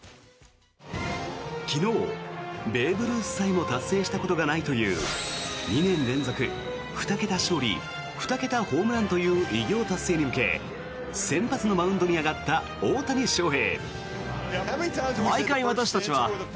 昨日、ベーブ・ルースさえも達成したことがないという２年連続２桁勝利２桁ホームランという偉業達成に向け先発のマウンドに上がった大谷翔平。